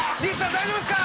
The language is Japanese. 大丈夫ですか？